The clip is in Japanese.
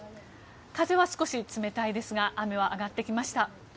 風は少し冷たいですが雨は上がってきました。